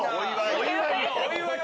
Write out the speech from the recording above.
お祝い。